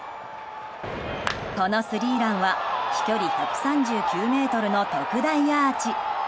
このスリーランは飛距離１３９ｍの特大アーチ。